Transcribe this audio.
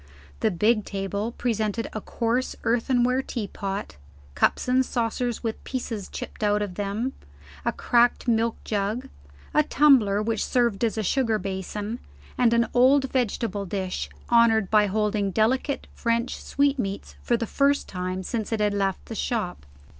The big table presented a coarse earthenware teapot; cups and saucers with pieces chipped out of them; a cracked milk jug; a tumbler which served as a sugar basin; and an old vegetable dish, honored by holding delicate French sweet meats for the first time since it had left the shop.